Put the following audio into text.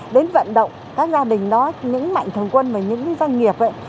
đến vận động các gia đình đó những mạnh thường quân và những doanh nghiệp ấy